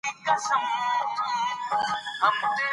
په افغانستان کې د کابل سیند ډېر زیات اهمیت لري.